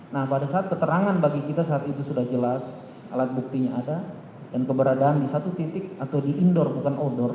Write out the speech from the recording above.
nah pada saat keterangan bagi kita saat itu sudah jelas alat buktinya ada dan keberadaan di satu titik atau di indoor bukan outdoor